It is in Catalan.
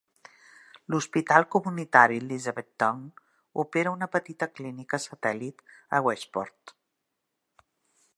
L'hospital comunitari Elizabethtown opera una petita clínica satèl·lit a Westport.